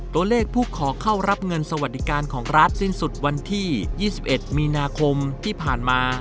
ตัวเลขผู้ขอเข้ารับเงินสวัสดิการของรัฐสิ้นสุดวันที่๒๑มีนาคมที่ผ่านมา